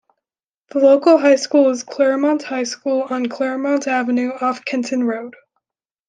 The local high school is Claremont High School on Claremont Avenue off Kenton Road.